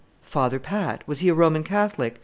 "Father Pat? Was he a Roman Catholic?